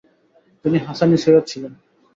তিনি হাসানী সৈয়দ ছিলেন।